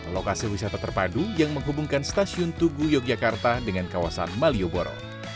lokasi wisata terpadu yang menghubungkan stasiun tugu yogyakarta dengan kawasan malioboro